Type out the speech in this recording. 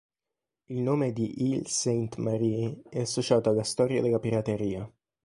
Il nome di Île Sainte-Marie è associato alla storia della pirateria.